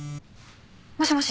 もしもし？